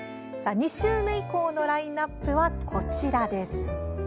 ２週目以降のラインナップはこちらです。